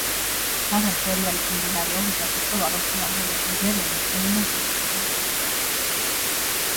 მაგრამ სერიალის მიმდინარეობისას ირკვევა რომ სინამდვილეში ჯერემი ელენას ბიოლოგიური ბიძაშვილია.